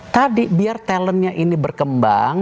tadi biar talentnya ini berkembang